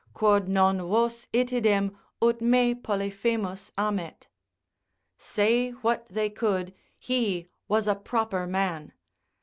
Quod non vos itidem ut me Polyphemus amet; Say what they could, he was a proper man.